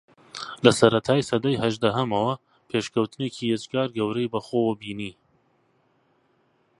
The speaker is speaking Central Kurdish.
لە سەرەتای سەدەی ھەژدەھەمەوە پێشکەوتنێکی یەکجار گەورەی بەخۆوە بینی